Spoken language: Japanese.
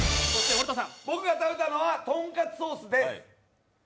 僕が食べたのはとんかつソースです。